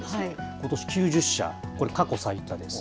ことし９０社、これ過去最多です。